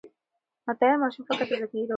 مطالعه د ماشوم د فکر تازه ګي راولي.